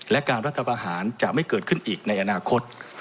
และการรัฐประหารจะไม่เกิดขึ้นอีกในอนาคต